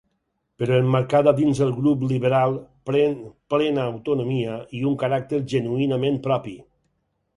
Però emmarcada dins el grup liberal pren plena autonomia i un caràcter genuïnament propi.